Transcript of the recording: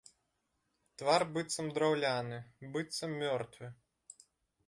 Твар быццам драўляны, быццам мёртвы.